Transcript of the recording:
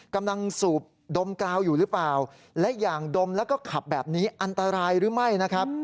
กำลังสูบดมกราวอยู่หรือเปล่าและอย่างดมแล้วก็ขับแบบนี้อันตรายหรือไม่นะครับ